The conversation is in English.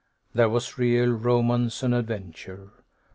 There was real romance and adventure!